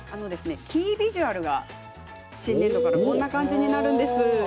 キービジュアルが新年度からこんな感じになるんです。